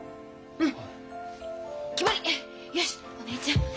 うん。